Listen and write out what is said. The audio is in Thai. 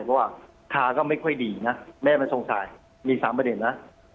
เพราะว่าคาก็ไม่ค่อยดีนะแม่ไม่สงสัยมี๓ประเด็นนะ